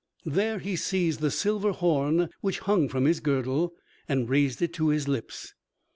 There he seized the silver horn which hung from his girdle and raised it to his lips.